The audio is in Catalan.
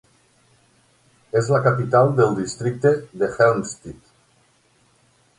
És la capital del districte de Helmstedt.